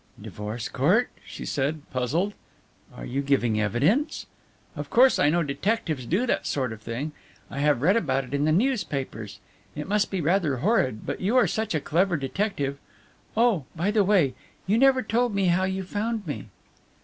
"Divorce Court?" she said, puzzled, "are you giving evidence? Of course I know detectives do that sort of thing. I have read about it in the newspapers. It must be rather horrid, but you are such a clever detective oh, by the way you never told me how you found me."